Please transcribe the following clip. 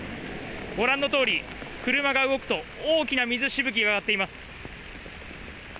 ご覧のとおり、車が動くと、大きな水しぶきが上がっています。